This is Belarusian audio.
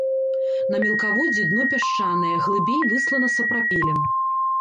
На мелкаводдзі дно пясчанае, глыбей выслана сапрапелем.